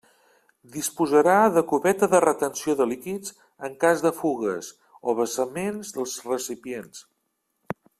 Disposarà de cubeta de retenció de líquids en cas de fugues o vessaments dels recipients.